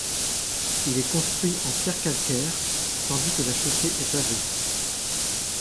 Il est construit en pierres calcaires, tandis que la chaussée est pavée.